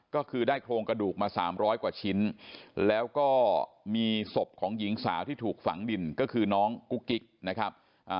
ก็คือได้โครงกระดูกมา๓๐๐กว่าชิ้นแล้วก็มีศพของหญิงสาวที่ถูกฝังดินก็คือน้องกุ๊กกิ๊กนะครับ